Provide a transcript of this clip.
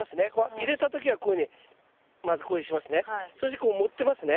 入れた時はこういうふうにまずこういうふうにしますね。